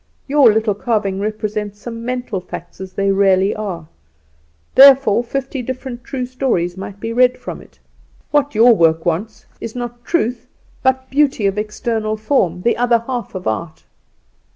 Your little carving represents some mental facts as they really are, therefore fifty different true stories might be read from it. What your work wants is not truth, but beauty of external form, the other half of art."